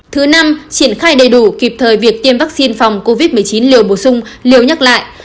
thứ năm triển khai đầy đủ kịp thời việc tiêm vaccine phòng covid một mươi chín liều bổ sung liều nhắc lại